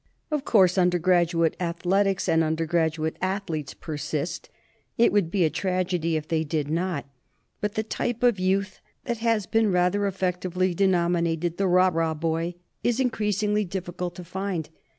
Of course, undergraduate athletics and under graduate athletes persist it would be a tragedy if they did not but the type of youth that has been rather effectively denominated the ''rah rah boy" is increasingly difficult to find.